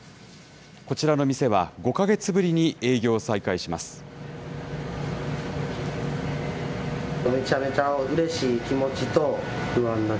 こちらの店は５か月ぶりに営業を再開します。